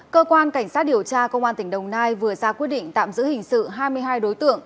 cơ quan cảnh sát điều tra công an tỉnh đồng nai vừa ra quyết định tạm giữ hình sự hai mươi hai đối tượng